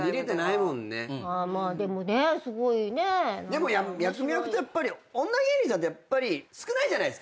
でも脈々とやっぱり女芸人さんってやっぱり少ないじゃないですか。